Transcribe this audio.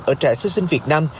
ở trẻ sơ sinh việt nam